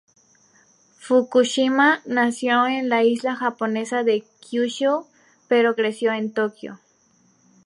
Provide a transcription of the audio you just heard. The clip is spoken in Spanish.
Fukushima nació en la isla japonesa de Kyushu, pero creció en Tokio.